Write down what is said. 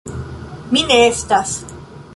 mi ne estas.